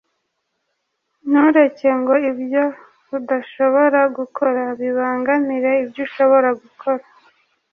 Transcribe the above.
“ntureke ngo ibyo udashobora gukora bibangamire ibyo ushobora gukora.”